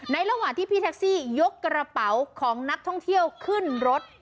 ระหว่างที่พี่แท็กซี่ยกกระเป๋าของนักท่องเที่ยวขึ้นรถ